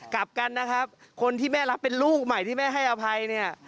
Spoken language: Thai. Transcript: กลับกันนะครับคนที่แม่รักเป็นลูกใหม่ที่แม่ให้อภัยเนี่ย